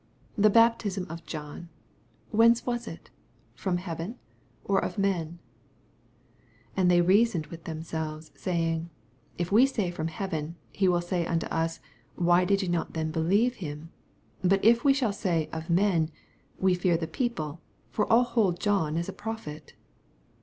25 The baptism of John, whence was it ? from neaven, or of men ? And they reasoned with themselves, say ing. If we shall say^From heaven ; he will say unto us, Why did ye not then believe him ? 26 But if we shall sav, Of men; we fear the people ; for all hold John as a prophet.